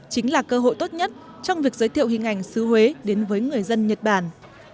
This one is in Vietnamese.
chính là cơ hội tốt nhất trong việc giới thiệu hình ảnh xứ huế đến với người dân nhật bản